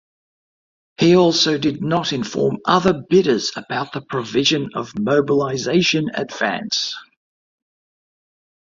He also did not inform other bidders about the provision of mobilization advance.